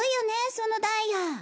そのダイヤ。